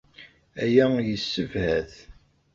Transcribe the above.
Aya yessebhat.